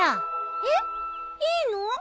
えっいいの？